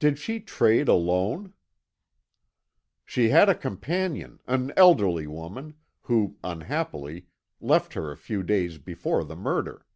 "Did she trade alone?" "She had a companion, an elderly woman, who, unhappily, left her a few days before the murder."